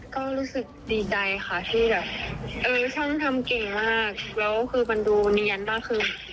ก็รู้สึกดีใจค่ะที่แบบเออช่างทำเก่งมากแล้วคือมันดูเนียนมากขึ้น